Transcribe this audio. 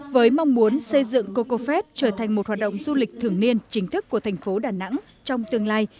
với mong muốn xây dựng cocofet trở thành một hoạt động du lịch thường niên chính thức của thành phố đà nẵng trong tương lai